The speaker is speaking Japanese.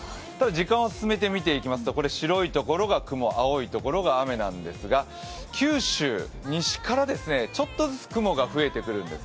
時間を進めて見ていきますと、白いところが雲青いところが雨なんですが、九州、西からちょっとずつ雲が増えてくるんです。